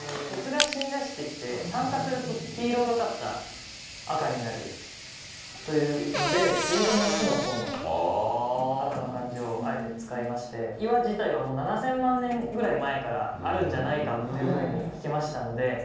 鉄が染み出してきて酸化すると黄色がかった赤になるというので朱色の「朱」の方の「あか」の漢字をあえて使いまして岩自体は七千万年ぐらい前からあるんじゃないかっていうふうに聞きましたので。